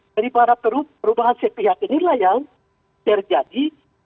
dari para perubahan sepihak inilah yang terjadi